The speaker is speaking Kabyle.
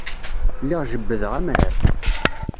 Lliɣ jebbdeɣ amrar.